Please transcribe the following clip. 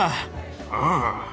ああ。